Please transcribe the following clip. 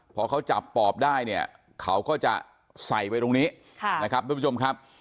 พอเขาจับปอบได้เนี่ยเขาก็จะใส่ไปตรงนี้นะครับทุกผู้ชมครับ